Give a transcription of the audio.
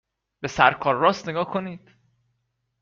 به سرکار راس نگاه کنید